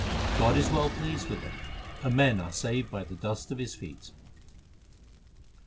God is well pleased with him, and men are saved by the dust of his feet.